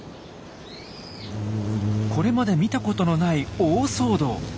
これまで見たことのない大騒動。